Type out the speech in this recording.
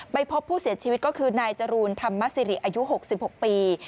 พบผู้เสียชีวิตก็คือนายจรูนธรรมสิริอายุ๖๖ปี